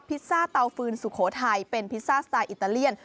ฟิสซ่าเตาฟืนสุโขไทยเป็นสไตลเลียน